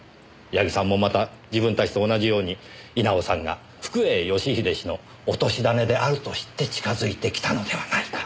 矢木さんもまた自分たちと同じように稲尾さんが福栄義英氏のおとしだねであると知って近づいてきたのではないか？